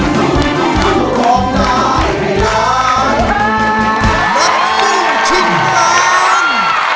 นับตรงชิ้นร้าน